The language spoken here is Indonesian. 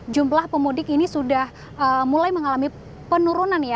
jumlah pemudik ini sudah mulai mengalami penurunan ya